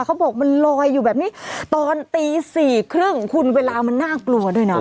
เขาบอกมันลอยอยู่แบบนี้ตอนตีสี่ครึ่งคุณเวลามันน่ากลัวด้วยนะ